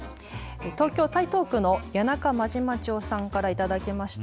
東京台東区の谷中真島町さんから頂きました。